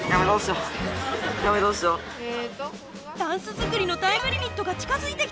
ダンス作りのタイムリミットが近づいてきた！